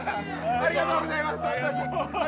ありがとうございます。